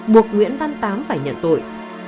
buộc nguyễn văn tám phải nhận tội